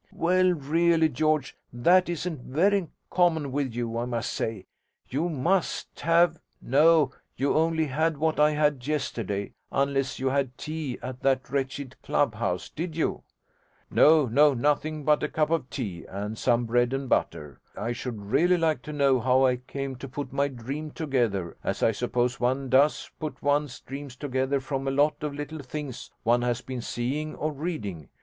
'Well, really, George, that isn't very common with you, I must say. You must have no, you only had what I had yesterday unless you had tea at that wretched club house: did you?' 'No, no; nothing but a cup of tea and some bread and butter. I should really like to know how I came to put my dream together as I suppose one does put one's dreams together from a lot of little things one has been seeing or reading.